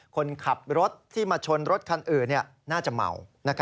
คนขับรถที่มาชนรถคันอื่นน่าจะเมา